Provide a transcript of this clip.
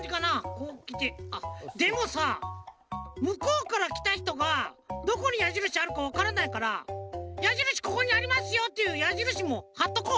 こうきてでもさむこうからきたひとがどこにやじるしあるかわからないからやじるしここにありますよっていうやじるしもはっとこう。